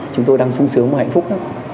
chúng tôi đang sung sướng và hạnh phúc